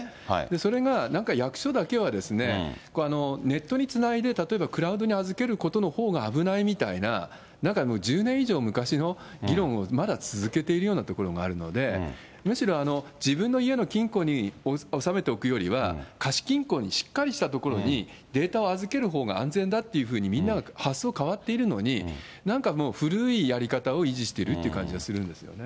それが、なんか役所だけは、ネットにつないで、例えばクラウドに預けることのほうが危ないみたいな、なんか１０年以上昔の議論をまだ続けているようなところがあるので、むしろ自分の家の金庫に収めておくよりは、貸金庫に、しっかりした所に、データを預けるほうが安全だというふうにみんなが発想変わっているのに、なんかもう古いやり方を維持してるっていう感じがするんですよね。